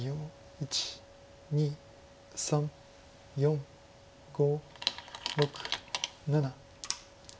１２３４５６７。